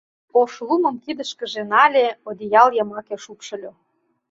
Ошлумым кидышкыже нале, одеял йымаке шупшыльо